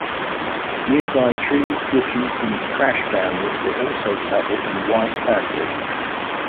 Nearby trees, bushes and crash barriers were also covered in white fabric.